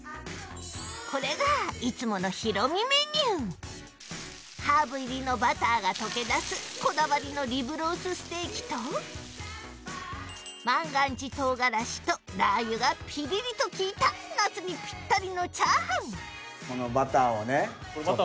これがハーブ入りのバターが溶け出すこだわりのリブロースステーキと万願寺唐辛子とラー油がピリリと効いた夏にぴったりのチャーハンこのバターをねちょっと。